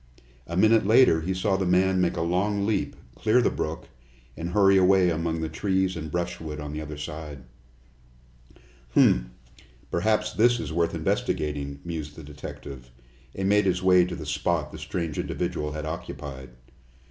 A minute later he saw the man make a long leap, clear the brook, and hurry away among the trees and brushwood on the other side. "Humph! Perhaps this is worth investigating," mused the detective, and made his way to the spot the strange individual had occupied.